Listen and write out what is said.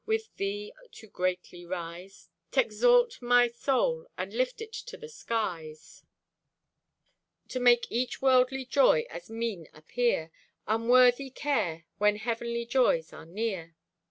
with thee to greatly rise, T' exalt my soul and lift it to the skies; To make each worldly joy as mean appear, Unworthy care when heavenly joys are near.